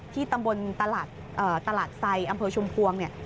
ที่ตำบลตลาดไซด์อำเภอชมพวง